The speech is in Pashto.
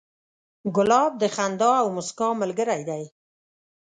ګلاب د خندا او موسکا ملګری دی.